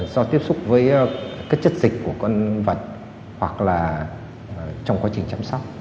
do tiếp xúc với các chất dịch của con vật hoặc là trong quá trình chăm sóc